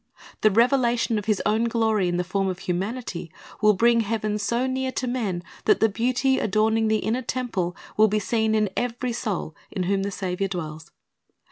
The revelation of His own glory in the form of humanity, will bring heaven so near to men that the beauty adorning the inner temple will be seen in every soul in whom the Saviour dwells.